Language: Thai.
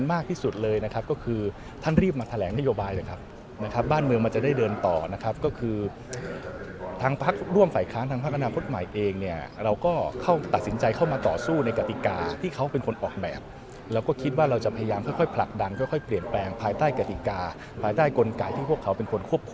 มากที่สุดเลยนะครับก็คือท่านรีบมาแถลงนโยบายเลยครับนะครับบ้านเมืองมันจะได้เดินต่อนะครับก็คือทางพักร่วมฝ่ายค้านทางพักอนาคตใหม่เองเนี่ยเราก็เข้าตัดสินใจเข้ามาต่อสู้ในกติกาที่เขาเป็นคนออกแบบเราก็คิดว่าเราจะพยายามค่อยผลักดันค่อยเปลี่ยนแปลงภายใต้กติกาภายใต้กลไกที่พวกเขาเป็นคนควบคว